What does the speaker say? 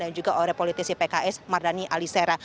dan juga oleh politisi pks mardani alisera